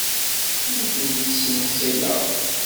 Ur ten-ttsenṣileɣ.